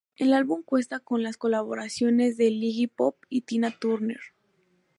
El álbum cuenta con las colaboraciones de Iggy Pop y Tina Turner.